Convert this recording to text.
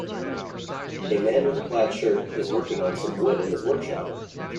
A man with a plaid shirt is working on some wood in his workshop.